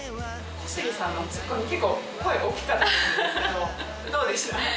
小杉さんのツッコミ結構声大きかったと思うんですけどどうでした？